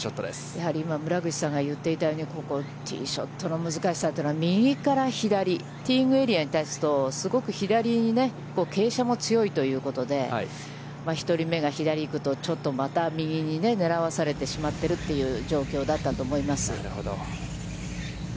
やはり今村口さんが言っていたように、ここ、ティーショットの難しさというのは、右から左、ティーイングエリアに立つと、すごく左にね、傾斜も強いということで、１人目が左に行くと、ちょっとまた右に狙わされてしまっているという状況だったと思います。